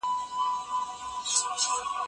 مشاور او مشر دواړه ورته مانا لري.